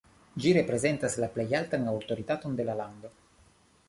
Ĝi reprezentas la plej altan aŭtoritaton de la lando.